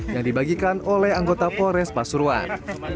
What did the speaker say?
yang dibagikan oleh anggota polres pasuruan